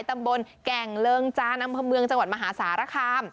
ตำบลแกร่งเริงจานรัฐมือจังหวัดมหาศาลคาม